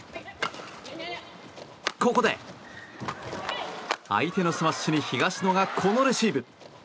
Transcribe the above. ここで、相手のスマッシュに東野がこのレシーブ。